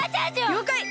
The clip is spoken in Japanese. りょうかい！